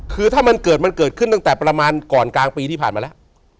คือถ้ามันเกิดมันเกิดขึ้นตั้งแต่ประมาณก่อนกลางปีที่ผ่านมาแล้ว